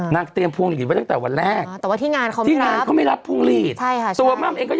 นั่คเตรียมพวงศพเหมือนแต่วันแรก